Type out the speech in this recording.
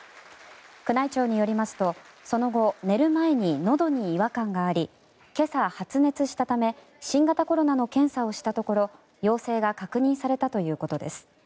宮内庁によりますとその後、寝る前にのどに違和感があり今朝、発熱したため新型コロナの検査をしたところ陽性が確認されたということです。